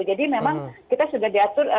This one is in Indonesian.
jadi memang kita sudah diatur